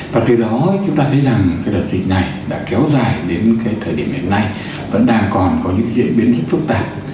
và từ đó chúng ta thấy rằng cái đợt dịch này đã kéo dài đến cái thời điểm hiện nay vẫn đang còn có những diễn biến hết phức tạp